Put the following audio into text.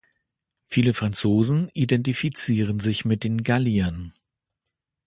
Viele Franzosen identifizieren sich mit den Galliern.